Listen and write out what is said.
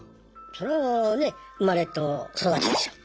それはね生まれと育ちでしょう。